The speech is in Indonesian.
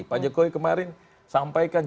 pak jokowi kemarin sampaikan